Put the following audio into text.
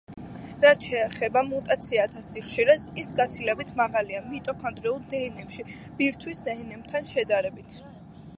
რაც შეეხება მუტაციათა სიხშირეს, ის გაცილებით მაღალია მიტოქონდრიულ დნმ-ში ბირთვის დნმ-თან შედარებით.